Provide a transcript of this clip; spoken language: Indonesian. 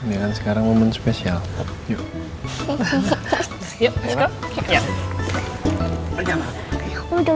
ini sekarang momen spesial yuk ya